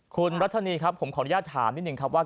คุณรัชนีครับผมขออนุญาตถามนิดนึงครับว่า